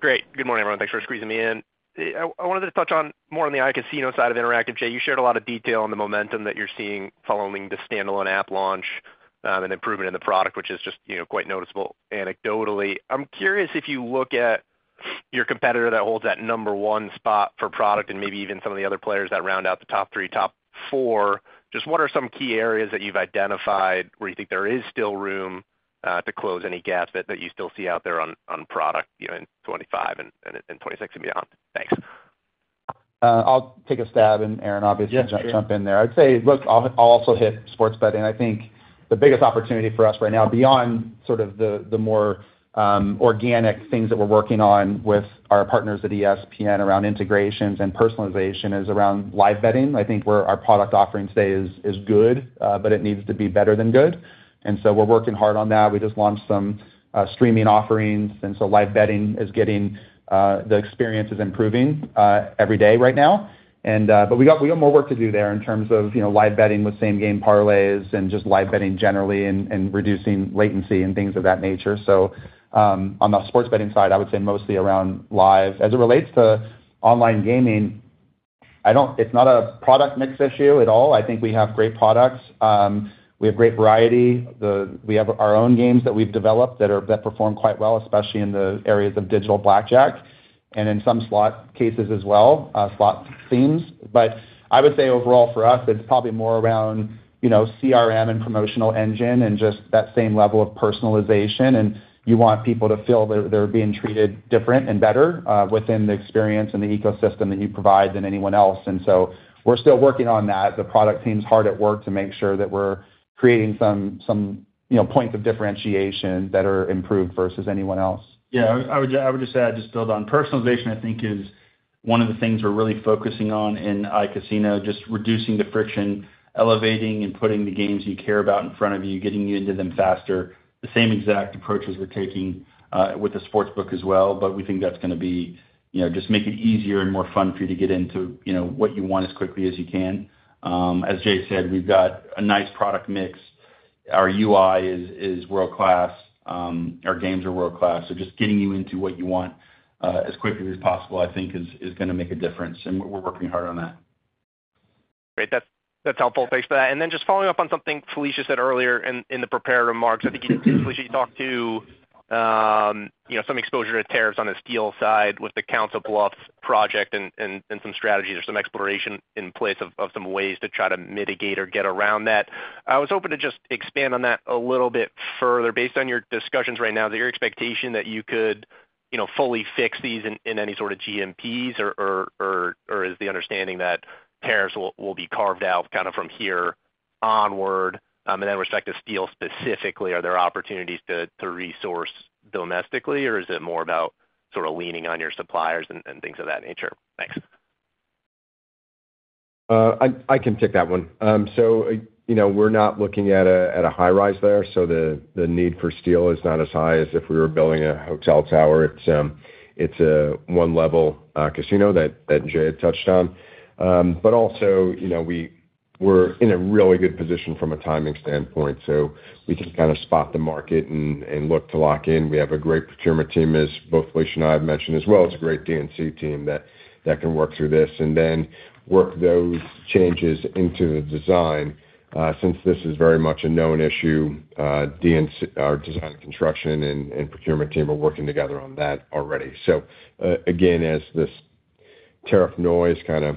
Great. Good morning, everyone. Thanks for squeezing me in. I wanted to touch on more on the iCasino side of Interactive. Jay, you shared a lot of detail on the momentum that you're seeing following the standalone app launch and improvement in the product, which is just quite noticeable anecdotally. I'm curious if you look at your competitor that holds that number one spot for product and maybe even some of the other players that round out the top three, top four, just what are some key areas that you've identified where you think there is still room to close any gaps that you still see out there on product in 2025 and 2026 and beyond? Thanks. I'll take a stab and, Aaron, obviously jump in there. I'd say, look, I'll also hit sports betting. I think the biggest opportunity for us right now, beyond sort of the more organic things that we're working on with our partners at ESPN around integrations and personalization, is around live betting. I think where our product offering today is good, but it needs to be better than good. And so we're working hard on that. We just launched some streaming offerings. And so live betting is getting the experience is improving every day right now. But we got more work to do there in terms of live betting with same-game parlays and just live betting generally and reducing latency and things of that nature. On the sports betting side, I would say mostly around live. As it relates to online gaming, it's not a product mix issue at all. I think we have great products. We have great variety. We have our own games that we've developed that perform quite well, especially in the areas of digital blackjack and in some slot cases as well, slot themes. I would say overall for us, it's probably more around CRM and promotional engine and just that same level of personalization. You want people to feel that they're being treated different and better within the experience and the ecosystem that you provide than anyone else. We're still working on that. The product team's hard at work to make sure that we're creating some points of differentiation that are improved versus anyone else. Yeah. I would just add, just build on personalization, I think, is one of the things we're really focusing on in iCasino, just reducing the friction, elevating and putting the games you care about in front of you, getting you into them faster. The same exact approach as we're taking with the sports book as well, but we think that's going to just make it easier and more fun for you to get into what you want as quickly as you can. As Jay said, we've got a nice product mix. Our UI is world-class. Our games are world-class. Just getting you into what you want as quickly as possible, I think, is going to make a difference. We're working hard on that. Great. That's helpful. Thanks for that. Just following up on something Felicia said earlier in the prepared remarks, I think, Felicia, you talked to some exposure to tariffs on the steel side with the Council Bluffs project and some strategies or some exploration in place of some ways to try to mitigate or get around that. I was hoping to just expand on that a little bit further. Based on your discussions right now, is it your expectation that you could fully fix these in any sort of GMPs, or is the understanding that tariffs will be carved out kind of from here onward? With respect to steel specifically, are there opportunities to resource domestically, or is it more about sort of leaning on your suppliers and things of that nature? Thanks. I can take that one. We're not looking at a high rise there. The need for steel is not as high as if we were building a hotel tower. It's a one-level casino that Jay had touched on. We're in a really good position from a timing standpoint. We can kind of spot the market and look to lock in. We have a great procurement team, as both Felicia and I have mentioned as well. It's a great D&C team that can work through this and then work those changes into the design. Since this is very much a known issue, our design and construction and procurement team are working together on that already. As this tariff noise kind of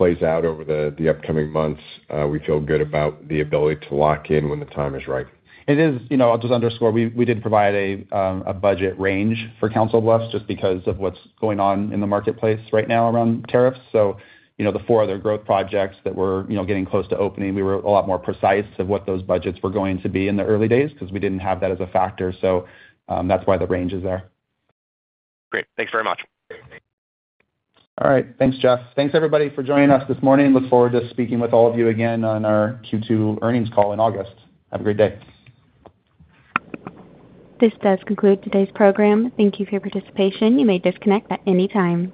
plays out over the upcoming months, we feel good about the ability to lock in when the time is right. It is. I'll just underscore, we did provide a budget range for Council Bluffs just because of what's going on in the marketplace right now around tariffs. The four other growth projects that we're getting close to opening, we were a lot more precise to what those budgets were going to be in the early days because we didn't have that as a factor. That's why the range is there. Great. Thanks very much. All right. Thanks, Jeff. Thanks, everybody, for joining us this morning. Look forward to speaking with all of you again on our Q2 earnings call in August. Have a great day. This does conclude today's program. Thank you for your participation. You may disconnect at any time.